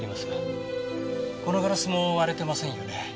このガラスも割れてませんよね。